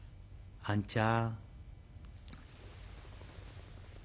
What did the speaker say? あんちゃん